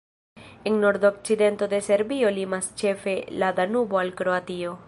En nordokcidento de Serbio limas ĉefe la Danubo al Kroatio.